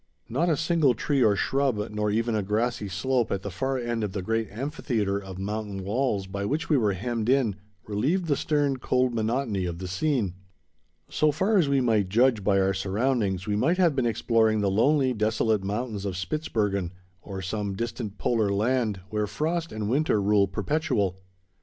Not a single tree or shrub, nor even a grassy slope at the far end of the great amphitheatre of mountain walls by which we were hemmed in, relieved the stern, cold monotony of the scene. So far as we might judge by our surroundings, we might have been exploring the lonely, desolate mountains of Spitzbergen, or some distant polar land, where frost and winter rule perpetual.